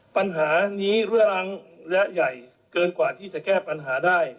ปัญหานี้เรื้อรังและใหญ่เกินกว่าที่จะแก้ปัญหาได้